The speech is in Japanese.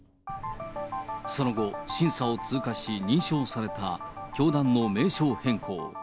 その後、審査を通過し、認証された教団の名称変更。